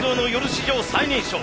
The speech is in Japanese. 史上最年少。